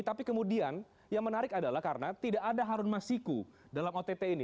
tapi kemudian yang menarik adalah karena tidak ada harun masiku dalam ott ini